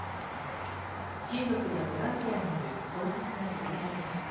親族やボランティアによる捜索が続けられました。